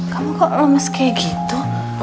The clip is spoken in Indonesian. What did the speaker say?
kamu kok lemes kayak gitu